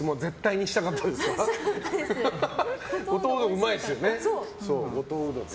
うまいですよね。